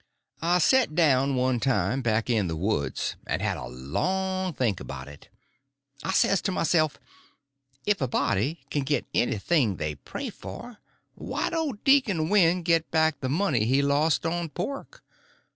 I set down one time back in the woods, and had a long think about it. I says to myself, if a body can get anything they pray for, why don't Deacon Winn get back the money he lost on pork?